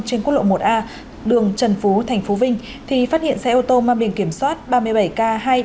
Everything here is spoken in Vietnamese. trên quốc lộ một a đường trần phú tp vinh thì phát hiện xe ô tô mang biển kiểm soát ba mươi bảy k hai mươi bảy nghìn chín mươi hai